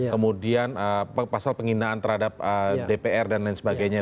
kemudian pasal penghinaan terhadap dpr dan lain sebagainya